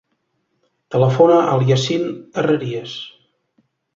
Telefona al Yassin Herrerias.